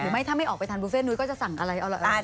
หรือไม่ถ้าไม่ออกไปทานบุฟเฟต์หนุ๊ยก็จะสั่งอะไรเอาล่ะเอาล่ะเอาล่ะ